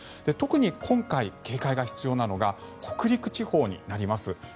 特に今回、警戒が必要なのが北陸地方になります。